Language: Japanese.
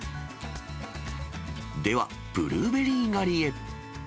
では、ブルーベリー狩りへ。